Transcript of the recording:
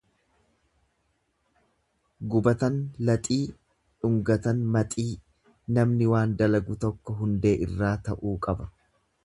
Gubatan laxii dhungatan maxii Namni waan dalagu tokko hundee irraa ta'uu qaba.